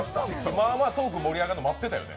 まあまあトーク盛り上がるの待ってたよね。